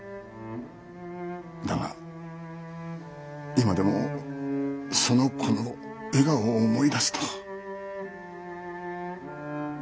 だが今でもその子の笑顔を思い出すと。